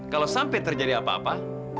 kalau sampai terjadi apa apa